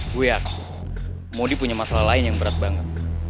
gue yakin modi punya masalah lain yang berat banget